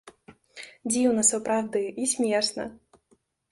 Дзіўна, сапраўды, і смешна?